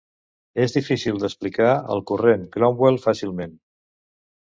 És difícil d'explicar el Corrent Cromwell fàcilment.